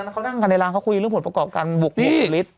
เขานั่งในร้างเขาคุยเรื่องผลประกอบการบุกลิตร